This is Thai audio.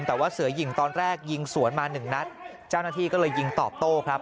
แต่ว่าเสือหญิงตอนแรกยิงสวนมาหนึ่งนัดเจ้าหน้าที่ก็เลยยิงตอบโต้ครับ